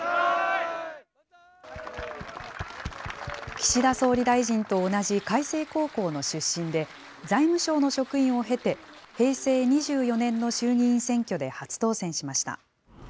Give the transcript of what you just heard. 岸田総理大臣と同じ開成高校の出身で、財務省の職員を経て、平成２４年の衆議院選挙で初当選しました。